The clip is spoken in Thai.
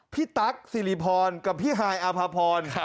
พี่ตั๊กนิพลกับพี่หายอภาพล